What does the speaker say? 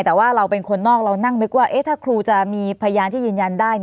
แต่ว่าเราเป็นคนนอกเรานั่งนึกว่าถ้าครูจะมีพยานที่ยืนยันได้